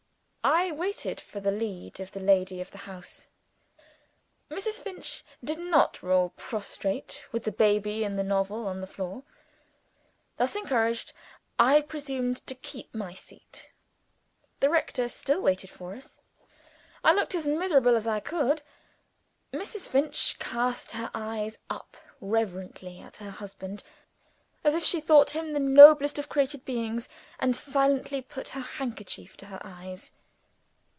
I waited for the lead of the lady of the house. Mrs. Finch did not roll prostrate, with the baby and the novel, on the floor. Thus encouraged, I presumed to keep my seat. The rector still waited for us. I looked as miserable as I could. Mrs. Finch cast her eyes up reverentially at her husband, as if she thought him the noblest of created beings, and silently put her handkerchief to her eyes.